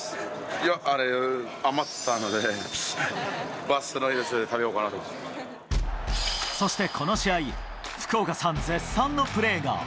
いや、余ってたので、バスの移動そしてこの試合、福岡さん絶賛のプレーが。